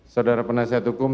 saudara penasihat hukum